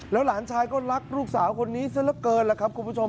หลานชายก็รักลูกสาวคนนี้ซะละเกินล่ะครับคุณผู้ชม